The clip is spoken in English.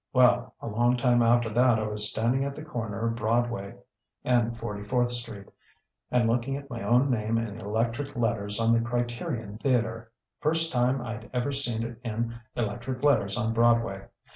Well, a long time after that I was standing at the corner of Broadway and Forty fourth Street, and looking at my own name in electric letters on the Criterion Theatre. First time I'd ever seen it in electric letters on Broadway.